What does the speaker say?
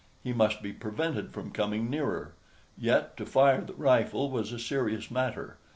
He must be prevented from coming nearer; yet to fire the rifle was a serious matter.